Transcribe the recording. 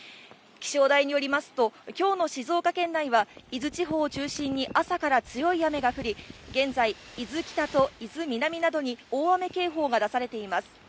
気象台によりますと、きょうの静岡県内は伊豆地方を中心に、朝から強い雨が降り、現在、伊豆北と伊豆南などに大雨警報が出されています。